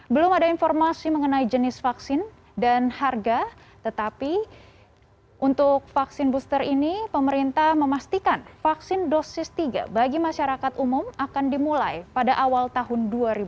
belum ada informasi mengenai jenis vaksin dan harga tetapi untuk vaksin booster ini pemerintah memastikan vaksin dosis tiga bagi masyarakat umum akan dimulai pada awal tahun dua ribu dua puluh